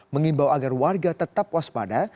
mengimbau agar warga tetap waspada